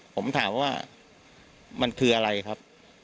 ผมถามว่ามันคืออะไรครับ